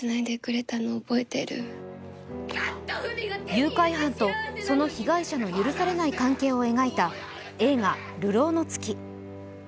誘拐犯とその被害者の許されない関係を描いた映画「流浪の月」。